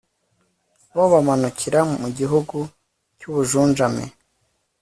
bo bamanukira mu gihugu cy'ubujunjame